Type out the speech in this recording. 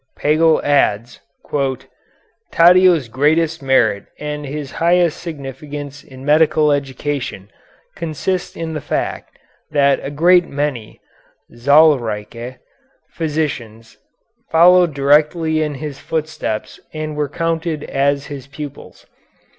Pagel adds, "Taddeo's greatest merit and his highest significance in medical education consist in the fact that a great many (zahlreiche) physicians followed directly in his footsteps and were counted as his pupils.